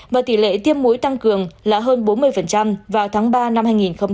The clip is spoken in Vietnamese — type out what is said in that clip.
và tỷ lệ tiêm muối tăng cường là hơn bốn mươi vào tháng ba năm hai nghìn hai mươi